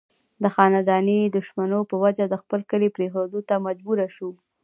د خانداني دشمنو پۀ وجه د خپل کلي پريښودو ته مجبوره شو